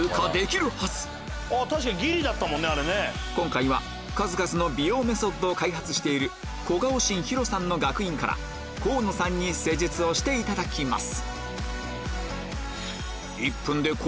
今回は数々の美容メソッドを開発している小顔神ヒロさんの学院から河野さんに施術をしていただきます